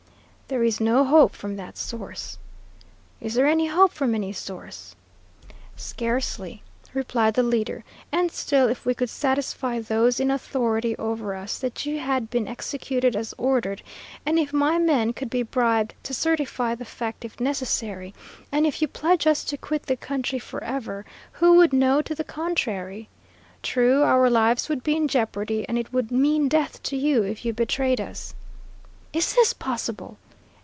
"There is no hope from that source." "Is there any hope from any source?" "Scarcely," replied the leader, "and still, if we could satisfy those in authority over us that you had been executed as ordered, and if my men could be bribed to certify the fact if necessary, and if you pledge us to quit the country forever, who would know to the contrary? True, our lives would be in jeopardy, and it would mean death to you if you betrayed us." "Is this possible?"